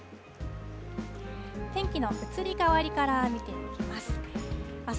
天気の移り変わりから見ていきます。